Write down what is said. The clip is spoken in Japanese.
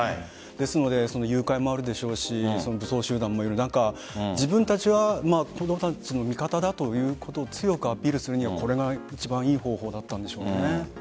ですから誘拐もあるでしょうし武装集団もいる中自分たちは子供たちの味方だということを強くアピールするにはこれが一番良い方法だったんでしょうね。